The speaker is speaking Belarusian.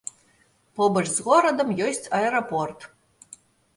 Побач з горадам ёсць аэрапорт.